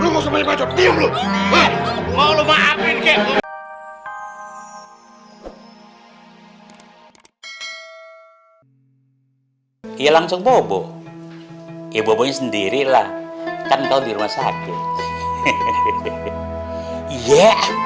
hai hilang sebuah bobo bobo sendiri lah kan kau di rumah sakit hehehe iya